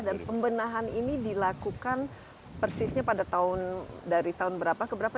dan pembenahan ini dilakukan persisnya pada tahun dari tahun berapa ke berapa